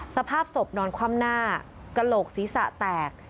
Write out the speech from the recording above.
สภาพศพนอนคว่ำหน้ากระโหลกศีรษะแตก